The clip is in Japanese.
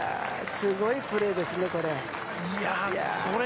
すごいプレーですね、これ。